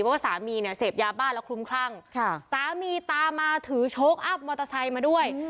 ว่าสามีเนี่ยเสพยาบ้าแล้วคลุ้มคลั่งสามีตามมาถือโชคอัพมอเตอร์ไซค์มาด้วย